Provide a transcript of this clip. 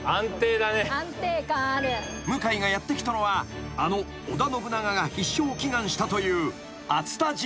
［向井がやって来たのはあの織田信長が必勝を祈願したという］